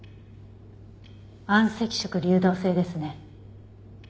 暗赤色流動性ですね。